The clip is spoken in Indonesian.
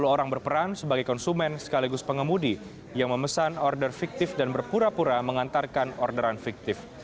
sepuluh orang berperan sebagai konsumen sekaligus pengemudi yang memesan order fiktif dan berpura pura mengantarkan orderan fiktif